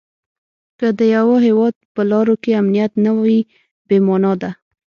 که د یوه هیواد په لارو کې امنیت نه وي بې مانا ده.